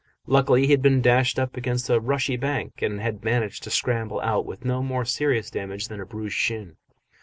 Luckily he had been dashed up against a rushy bank, and had managed to scramble out with no more serious damage than a bruised shin.